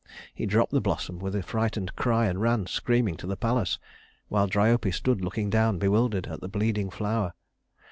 He dropped the blossom with a frightened cry, and ran screaming to the palace, while Dryope stood looking down, bewildered, at the bleeding flower.